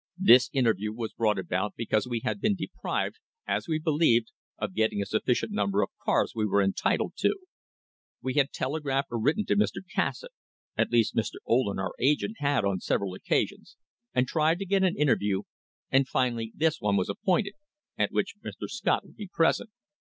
This interview was brought about because we had been deprived, as we believed, of getting a sufficient number of cars we were entitled to. We had telegraphed or written to Mr. Cassatt — at least, Mr. Ohlen, our agent, had, on several occasions, and tried to get an interview, and finally this one was appointed, at which Mr. Scott [ 200 ] STRENGTHENING THE FOUNDATIONS would be present.